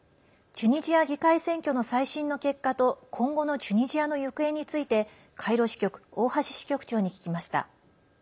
チュニジア議会選挙の最新の結果と今後のチュニジアの行方についてカイロ支局大橋支局長に聞きました。